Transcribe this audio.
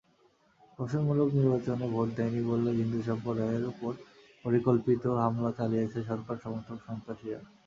প্রহসনমূলক নির্বাচনে ভোট দেয়নি বলে হিন্দু সম্প্রদায়ের ওপর পরিকল্পিত হামলা চালিয়েছে সরকার-সমর্থক সন্ত্রাসীরা।